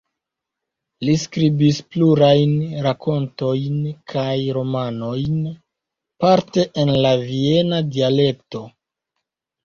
Li skribis plurajn rakontojn kaj romanojn, parte en la viena dialekto.